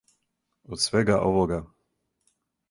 Од свега овога.